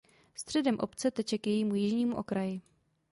Středem obce teče k jejímu jižnímu okraji.